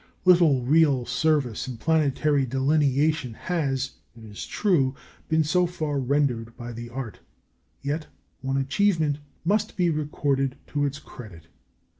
Little real service in planetary delineation has, it is true, been so far rendered by the art, yet one achievement must be recorded to its credit.